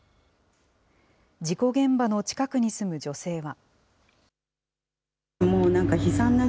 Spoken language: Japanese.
事故現場の近くに住む女性は。